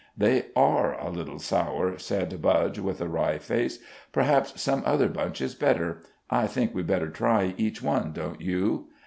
"They are a little sour," said Budge, with a wry face. "Perhaps some other bunch is better. I think we'd better try each one, don't you?"